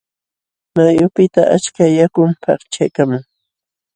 Wayqupiqta achka yakum paqchaykaamun.